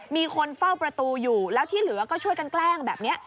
มีคนเฝ้าประตูอยู่แล้วที่เหลือก็ช่วยกันแกล้งแบบนี้